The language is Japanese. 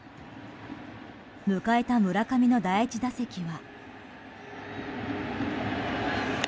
迎えた村上の第１打席は。